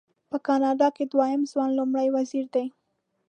په کاناډا کې دویم ځوان لومړی وزیر دی.